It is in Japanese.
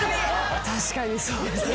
確かにそうですね。